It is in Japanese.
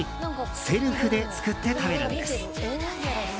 セルフで作って食べるんです。